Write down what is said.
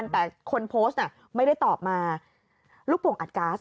แต่คนโพสต์ไม่ได้ตอบมาลูกโป่งอัดก๊าซ